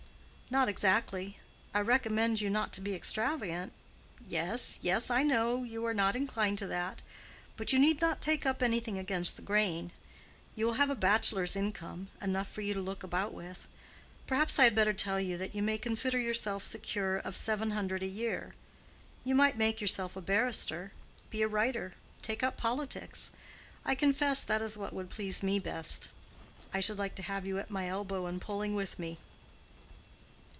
"Not exactly. I recommend you not to be extravagant—yes, yes, I know—you are not inclined to that—but you need not take up anything against the grain. You will have a bachelor's income—enough for you to look about with. Perhaps I had better tell you that you may consider yourself secure of seven hundred a year. You might make yourself a barrister—be a writer—take up politics. I confess that is what would please me best. I should like to have you at my elbow and pulling with me."